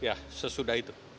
ya sesudah itu